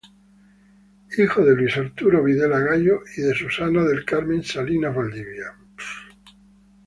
Hijo de Luis Arturo Videla Gallo y de Susana del Carmen Salinas Valdivia.